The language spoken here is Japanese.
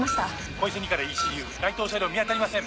小磯２からＥＣＵ該当車両見当たりません。